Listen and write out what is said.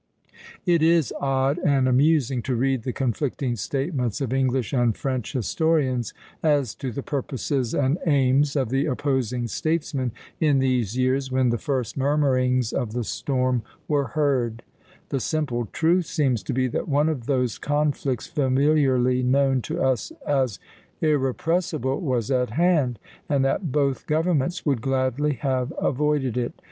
It is odd and amusing to read the conflicting statements of English and French historians as to the purposes and aims of the opposing statesmen in these years when the first murmurings of the storm were heard; the simple truth seems to be that one of those conflicts familiarly known to us as irrepressible was at hand, and that both governments would gladly have avoided it.